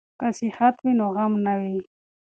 که صحت وي نو غم نه وي.